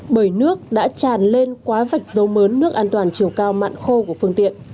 bởi nước đã tràn lên quá vạch dấu mớn nước an toàn chiều cao mặn khô của phương tiện